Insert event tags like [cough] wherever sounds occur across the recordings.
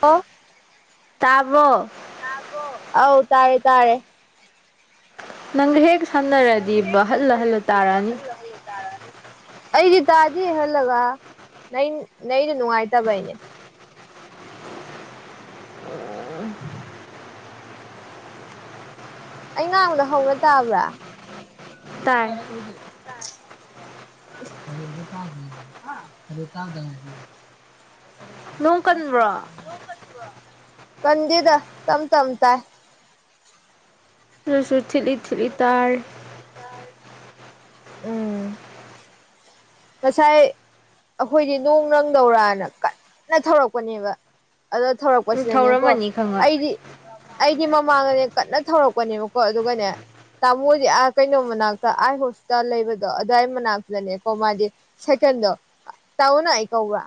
ꯑꯣ ꯇꯥꯕꯣ ꯑꯥꯎ ꯇꯥꯔꯦ ꯇꯥꯔꯦ ꯅꯪꯒ ꯍꯦꯛ ꯁꯝꯅꯔꯗꯤ ꯕꯥ ꯍꯜꯂ- ꯍꯜꯂ ꯇꯥꯔꯛꯑꯅꯤ꯫ ꯑꯩꯗꯤ ꯇꯥꯗꯤ ꯍꯜꯂꯒ ꯅꯩ ꯅꯩꯗꯤ ꯅꯨꯡꯉꯥꯏꯇ ꯕꯩꯅꯤ꯫ ꯑꯩ ꯉꯥꯡꯕꯗꯣ ꯍꯧꯅ ꯇꯥꯕ꯭ꯔꯥ ꯇꯁꯦ ꯇꯥꯏ ꯇꯔꯦ ꯀꯁꯦ [inaudible] [unintelligible] ꯈꯔꯗ ꯀ ꯈꯔꯇ ꯀ [inaudible] ꯅꯣꯡ ꯀꯟꯕ꯭ꯔꯣ [unintelligible] ꯅꯣꯛꯀꯅꯨꯋ ꯀꯟꯗꯦꯗ ꯇꯝ ꯇꯝ ꯇꯥꯏ [unintelligible] ꯊꯤꯠꯂꯤ ꯊꯤꯠꯂꯤ ꯇꯥꯔꯤ ꯎꯝ ꯉꯁꯥꯏ ꯑꯩꯈꯣꯏꯗꯤ ꯅꯣꯡ ꯅꯪꯗꯧꯔꯅ ꯀꯟꯅ ꯊꯧꯔꯛꯄꯅꯦꯕ ꯑꯗ ꯊꯧꯔꯛꯄꯁꯤꯗꯅꯦꯀꯣ ꯊꯧꯔꯝꯃꯅꯤ ꯈꯪꯉꯣꯏ ꯑꯩꯗꯤ ꯑꯩꯒꯤ ꯃꯃꯥꯡꯒꯅꯦ ꯀꯟꯅ ꯊꯧꯔꯛꯄꯅꯦꯕꯀꯣ ꯑꯗꯨꯒꯅꯦ ꯇꯥꯃꯣꯗꯤ ꯑ ꯀꯩꯅꯣ ꯃꯅꯥꯛꯇ ꯑꯥꯏ ꯍꯣꯁꯄꯤꯇꯥꯜ ꯂꯩꯕꯗꯣ ꯑꯗꯨꯋꯥꯏ ꯃꯅꯥꯛꯇꯗꯅꯦꯀꯣ ꯃꯥꯗꯤ ꯁꯥꯏꯀꯜꯗꯨ ꯑꯩ ꯇꯥꯃꯣ ꯅꯪ ꯑꯩ ꯀꯧꯕ꯭ꯔ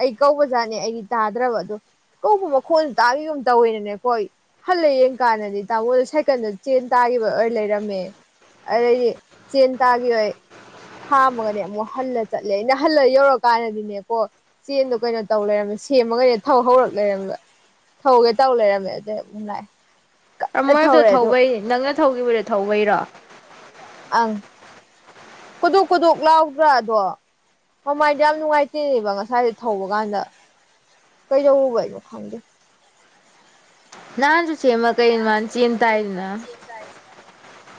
ꯑꯩ ꯀꯧꯕ ꯖꯥꯠꯅꯦ ꯑꯩꯗꯤ ꯇꯥꯗ꯭ꯔꯕ ꯑꯗꯨꯗ ꯀꯧꯕ ꯃꯈꯣꯟꯗ ꯇꯥꯈꯤꯕꯒꯨꯝ ꯇꯧꯋꯦꯅꯅꯦꯀꯣ ꯍꯜꯂ ꯌꯦꯡꯀꯥꯟꯗꯗꯤ ꯇꯥꯃꯣꯗ ꯁꯥꯏꯀꯜꯗ ꯆꯦꯟ ꯇꯥꯈꯤꯕ ꯑꯣꯏ ꯂꯩꯔꯝꯃꯦ ꯑꯗꯩꯗꯤ ꯆꯦꯟ ꯇꯥꯈꯤꯕ ꯈꯥꯝꯃꯒꯅꯦ ꯑꯃꯨꯛ ꯍꯜꯂ ꯆꯠꯂꯦ ꯑꯩꯅ ꯍꯜꯂ ꯌꯧꯔꯀꯥꯟꯗꯗꯤꯅꯦꯀꯣ ꯆꯦꯟꯗꯣ ꯀꯩꯅꯣ ꯇꯧ ꯂꯩꯔꯝꯃꯦ ꯁꯦꯝꯃꯒꯅꯦ ꯊꯧ ꯍꯧꯔꯛ ꯂꯩꯔꯝꯃꯦ ꯊꯧꯒꯦ ꯇꯧ ꯂꯩꯔꯝꯃꯦ ꯑꯗꯨꯗꯩ ꯑꯃꯨꯛ ꯂꯥꯛꯑꯦ ꯀꯟꯅ ꯑꯃꯗꯨ ꯊꯧꯔꯦ ꯑꯗꯣ ꯊꯧꯕꯩꯅꯤ ꯅꯪꯅ ꯊꯧꯈꯤꯕꯗꯣ ꯊꯧꯕꯩꯔꯣ ꯑꯪ ꯀꯣꯗꯣꯛ ꯀꯣꯗꯣꯛ ꯂꯥꯎꯗ꯭ꯔꯥ ꯑꯗꯣ ꯃꯃꯥꯏꯗ ꯌꯥꯝ ꯅꯨꯡꯉꯥꯏꯇꯦꯅꯦꯕ ꯉꯁꯥꯏꯁ ꯊꯧꯕ ꯀꯥꯟꯗ ꯀꯩꯗꯧꯔꯨꯕꯩꯅꯣ ꯈꯪꯗꯦ ꯅꯍꯥꯟꯁꯨ ꯁꯦꯝꯃꯒ ꯀꯩꯅꯣ ꯃꯥꯅ ꯆꯦꯟ ꯇꯥꯏꯅ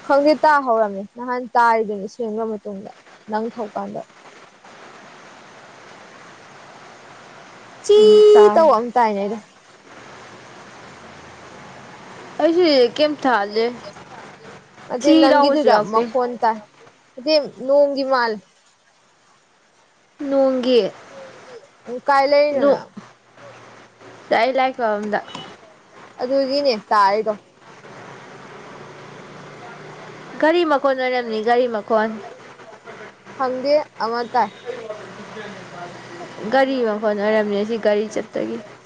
ꯈꯪꯗꯦ ꯇꯥꯍꯧꯔꯝꯃꯦ ꯅꯍꯥꯟ ꯇꯥꯔꯤꯗꯨꯅꯤ ꯁꯦꯝꯒ꯭ꯔ ꯃꯇꯨꯡꯗ ꯅꯪ ꯊꯧꯀꯥꯟꯗ ꯆꯤ ꯎꯝ ꯇꯥꯔꯦ ꯇꯧꯕ ꯑꯃ ꯇꯥꯏꯅꯦ ꯑꯩꯁꯨ ꯀꯩꯝ ꯊꯥꯗꯦ ꯊꯤ ꯂꯥꯎꯕꯁꯨ ꯅꯪꯒꯤꯗꯨꯗ ꯌꯥꯎꯗꯦ ꯃꯈꯣꯟ ꯇꯥꯏ ꯅꯠꯇꯦ ꯅꯣꯡꯒꯤ ꯃꯥꯟꯂꯤ ꯅꯣꯡꯒꯤ ꯀꯥꯏꯂꯩꯅꯣ ꯅꯪ [unintelligible] ꯄꯝꯗ ꯑꯗꯨꯒꯤꯅꯦ ꯇꯥꯔꯤꯗꯣ ꯒꯥꯔꯤ ꯃ ꯒꯥꯔꯤ ꯃꯈꯣꯟ ꯑꯣꯏꯔꯝꯅꯤ ꯒꯥꯔꯤ ꯃꯈꯣꯟ ꯈꯪꯗꯦ ꯑꯃ ꯇꯥꯏ ꯒꯥꯔꯤ ꯃ ꯒꯥꯔꯤ ꯃꯈꯣꯟ ꯑꯣꯏꯔꯝꯅꯤ ꯒꯥꯔꯤ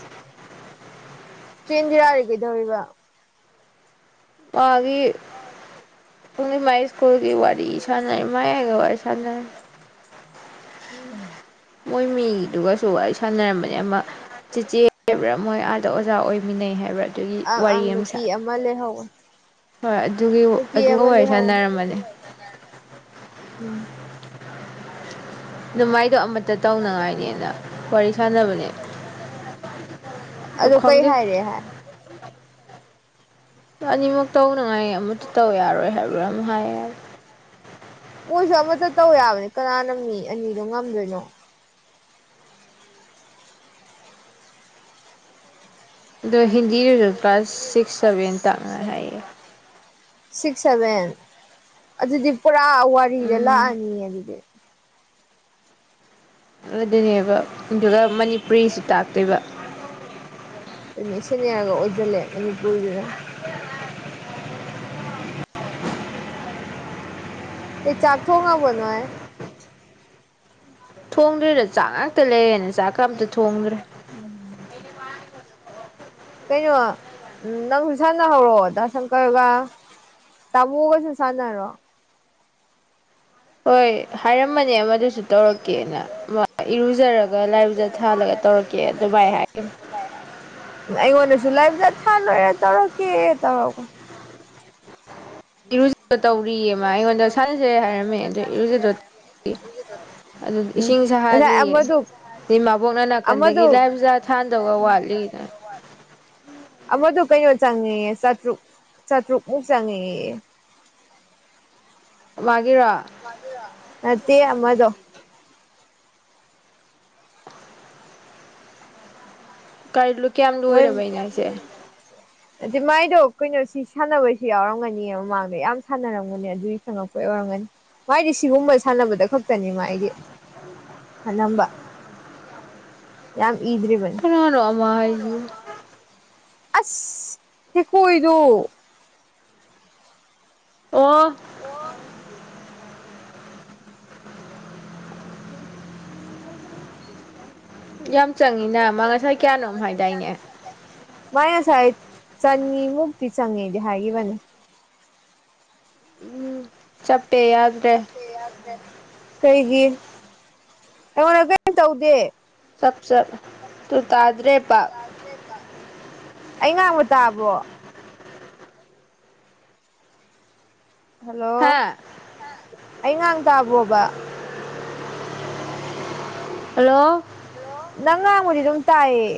ꯆꯦ ꯏꯟꯗꯤꯔꯥꯗꯤ ꯀꯩꯗꯧꯔꯤꯕ ꯄꯥꯜ ꯗꯤ [inaudible] ꯀꯣꯜ ꯋꯥꯔꯤ ꯁꯅꯩ ꯃꯥꯒꯤ ꯋꯥꯔꯤ [inaudible] ꯎꯝ ꯃꯣꯏ ꯃꯤꯗꯨꯒꯁꯨ ꯋꯥꯔꯤ ꯁꯥꯟꯅꯔꯝꯕꯅꯦ ꯑꯃ ꯆꯦꯆꯦ ꯃꯣꯏ ꯑꯥꯗ ꯑꯣꯖꯥ ꯑꯣꯏꯃꯤꯟꯅꯩ ꯍꯥꯏꯕ꯭ꯔꯥ ꯑꯗꯨꯒꯤ ꯑꯪ ꯋꯥꯔꯤ ꯑꯪ ꯑꯃ ꯁꯥꯥꯟ ꯅꯨꯄꯤ ꯂꯩꯍꯧꯕꯅꯤ ꯍꯣꯏ ꯑꯗꯨꯒꯤ ꯅꯨꯄꯤ ꯑꯗꯨꯒ ꯑꯃ ꯋꯥꯔꯤ ꯂꯩꯍꯧꯕꯅꯤ ꯁꯥꯟꯅꯔꯝꯃꯅꯤ ꯎꯝ ꯅꯨꯡꯃꯥꯏꯗꯣ ꯑꯗꯨ ꯑꯗꯨꯗꯣ ꯀꯩ ꯈꯪꯗꯦ ꯍꯥꯏ ꯔꯦ ꯍꯥꯏ ꯑꯅꯤꯃꯛ ꯇꯧꯅꯉꯥꯏ ꯑꯃꯇ ꯇꯧ ꯌꯥꯔꯣꯏ ꯍꯥꯏꯕ꯭ꯔꯥ ꯑꯗꯨ ꯍꯥꯏ ꯍꯥꯏꯑꯦ ꯃꯣꯏꯁꯨ ꯑꯃꯠꯇ ꯇꯧ ꯌꯥꯕꯅꯤ ꯀꯅꯥꯅ ꯃꯤ ꯑꯅꯤꯗꯣ ꯉꯝꯗꯣꯏꯅꯣ ꯑꯗꯣ ꯍꯤꯟꯗꯤ ꯔꯁꯨ ꯀ꯭ꯂꯥꯁ ꯁꯤꯛꯁ ꯁꯕꯦꯟ ꯇꯥꯡꯅꯕ ꯍꯥꯏꯌꯦ ꯁꯤꯛꯁ ꯁꯚꯦꯟ ꯑꯗꯨꯗꯤ ꯄꯨꯔꯥ ꯋꯥꯔꯤꯗ ꯎꯝ ꯂꯥꯛꯑꯅꯤ ꯑꯗꯨꯗꯤ ꯑꯗꯨꯅꯦꯕ ꯑꯗꯨꯒ ꯃꯅꯤꯄꯨꯔꯤꯁꯨ ꯇꯥꯛꯇꯣꯏꯕ ꯑꯗꯨꯅꯤ ꯌꯥꯔꯒ ꯑꯣꯏꯁꯤꯜꯂꯦ ꯃꯅꯤꯄꯨꯔꯒꯤꯗ ꯆꯥ ꯊꯣꯡꯉꯕꯣ ꯅꯣꯏ ꯊꯣꯡꯗ꯭ꯔꯤꯗ ꯆꯥꯛ ꯉꯥꯛꯇ ꯂꯩꯔꯦꯅ ꯆꯥꯛꯀ ꯑꯝꯇ ꯊꯣꯡꯗ꯭ꯔꯦ ꯀꯩꯅꯣ ꯅꯪꯁꯨ ꯁꯥꯟꯅꯍꯧꯔꯣ ꯗꯥ ꯁꯪꯀꯔꯒ ꯇꯥꯃꯣꯒꯁꯨ ꯁꯥꯟꯅꯔꯣ ꯍꯣꯏ ꯍꯥꯏꯔꯝꯕꯅꯦ ꯃꯗꯨꯁꯨ ꯇꯧꯔꯛꯀꯦꯅ ꯏꯔꯨꯖꯔꯒ ꯂꯥꯏꯗꯨꯛꯀ ꯊꯥꯜꯂꯒ ꯇꯧꯔꯛꯀꯦ ꯑꯗꯨꯃꯥꯏ ꯍꯥꯏꯔꯝꯕꯅꯦ ꯖꯨꯂꯤꯌ ꯄꯨꯖꯥ ꯊꯥ ꯂꯣꯏꯔꯦ ꯇꯧꯔꯛꯀꯦ ꯇꯧꯔꯝꯕꯅꯦ ꯏꯔꯨꯖꯗꯣ ꯇꯧꯔꯤꯌꯦ ꯃꯥ ꯑꯩꯉꯣꯟꯗ ꯁꯥꯟꯅꯖꯦ ꯍꯥꯏꯔꯝꯃꯦ ꯑꯗꯨꯗ ꯏꯔꯨꯖꯗꯣ ꯑꯗꯨ ꯎꯝ ꯉꯁꯥꯏ ꯏꯁꯤꯡꯁꯍꯜꯂꯤꯌꯦ ꯑꯃꯗꯨ ꯑꯗꯩ ꯃꯥꯥꯕꯣꯛꯅ ꯑꯃꯗꯨ ꯅꯥꯀꯟꯗꯒꯤ ꯂꯥꯏ ꯄꯨꯖꯥ ꯊꯥꯟꯗꯧꯒ ꯋꯥꯠꯂꯤꯅ ꯆꯪꯉꯦ ꯆꯥꯇ꯭ꯔꯨꯛ ꯆꯥꯇ꯭ꯔꯨꯛꯃꯨꯛ ꯆꯪꯉꯦꯑꯦ [inaudible] ꯃꯥ ꯃꯒꯤꯔꯣ ꯅꯠꯇꯦ ꯑꯃꯗꯣ [inaudible] ꯀꯥꯏ ꯂꯨ ꯀꯌꯥꯝ ꯃꯣꯏ ꯂꯣꯏꯔꯕꯩꯅꯣ ꯍꯥꯏꯁꯦ ꯑꯗꯨ ꯃꯥꯏꯗꯣ ꯀꯩꯅꯣ ꯁꯤ ꯁꯥꯟꯅꯕꯁꯨ ꯌꯥꯎꯔꯝꯒꯅꯤ ꯃꯃꯥꯡꯗ ꯌꯥꯝ ꯁꯥꯟꯅꯔꯝꯒꯅꯤ ꯑꯗꯨꯒꯤ ꯆꯪꯉꯛꯄ ꯌꯥꯎꯔꯝꯒꯅꯤ ꯃꯥꯏꯗꯤ ꯁꯤꯒꯨꯝꯕ ꯁꯥꯟꯅꯕꯗ ꯈꯛꯇꯅꯤ ꯃꯥꯏꯗꯤ ꯑꯅꯝꯕ ꯌꯥꯝ ꯏꯗ꯭ꯔꯤꯕꯅꯤ ꯀꯅꯥꯅ ꯑꯃ ꯍꯥꯏꯁꯨ [inaudible] ꯑꯁ ꯈꯨꯀꯣꯏꯗꯨ ꯑꯣ ꯑꯣ ꯌꯥꯝ ꯆꯪꯉꯤꯅ ꯃꯥ ꯉꯁꯥꯏ ꯀꯌꯥꯅꯣꯝ ꯍꯥꯏꯗꯥꯏꯅꯦ ꯃꯥꯏ ꯉꯁꯥꯏ ꯆꯅꯤꯃꯨꯛꯇꯤ ꯆꯉꯦꯗꯤ ꯍꯥꯏꯒꯤꯕꯅꯤ ꯎꯝ ꯆꯞ ꯄꯦꯌꯥꯗ꯭ꯔꯦ ꯀꯩꯒꯤ ꯑꯩꯉꯣꯟꯗ ꯀꯔꯤꯝ ꯇꯧꯗꯦ ꯆꯞ ꯆꯞ ꯇꯨ ꯇꯥꯗꯔꯦ ꯄ ꯑꯩ ꯉꯥꯡꯕ ꯇꯥꯕ꯭ꯔꯣ ꯍꯜꯂꯣ ꯍꯥ ꯑꯩ ꯉꯥꯡ ꯇꯥꯕꯣꯕ ꯍꯜꯂꯣ ꯅꯪ ꯉꯥꯡꯕꯗꯤ ꯗꯨꯝ ꯇꯥꯏꯌꯦ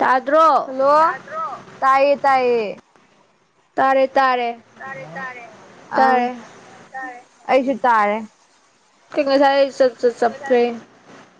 ꯇꯥꯗ꯭ꯔꯣ ꯍꯜꯂꯣ ꯇꯥꯏꯌꯦ ꯇꯥꯏꯌꯦ ꯇꯥꯔꯦ ꯇꯥꯔꯦ ꯇꯥꯔꯦ ꯇꯥꯔꯦ ꯑ ꯇꯥꯔꯦ ꯇꯥꯔꯦ ꯑꯩꯁꯨ ꯇꯥꯔꯦ [unintelligible] [unintelligible] ꯆꯞꯄꯦ